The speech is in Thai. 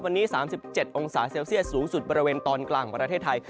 วันนี้๓๗องศาเซลเซียสสูงสุดบริเวณตอนกลางของประเทศไทย